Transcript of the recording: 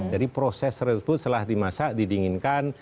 jadi proses tersebut setelah dimasak didinginkan